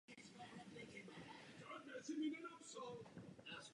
Potřebujeme vhodnou úroveň regulace.